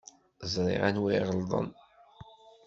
Ẓriɣ anwa iɣelḍen.